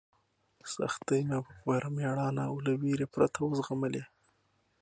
سختۍ مې په پوره مېړانه او له وېرې پرته وزغملې.